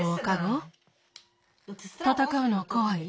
たたかうのこわい？